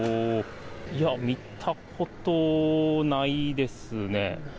いや、見たことないですね。